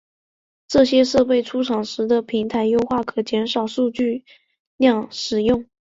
这些设备出厂时的平台优化可减少数据流量使用。